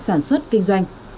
sản xuất kinh doanh